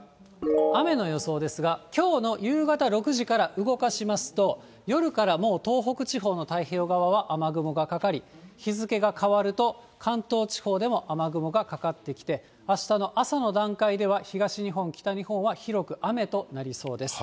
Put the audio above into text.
雨の予想ですが、きょうの夕方６時から動かしますと、夜からもう、東北地方の太平洋側は雨雲がかかり、日付が変わると、関東地方でも雨雲がかかってきて、あしたの朝の段階では東日本、北日本は広く雨となりそうです。